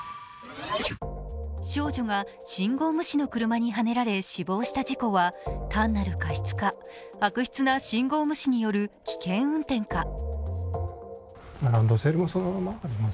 少女が信号無視の車にはねられ死亡した事故は単なる過失か悪質な信号無視による危険運転か。